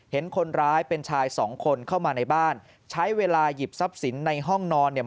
เห็นคนร้ายเป็นชายสองคนเข้ามาในบ้านใช้เวลาหยิบทรัพย์สินในห้องนอนเนี่ย